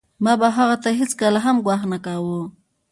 ما به هغه ته هېڅکله هم ګواښ نه کاوه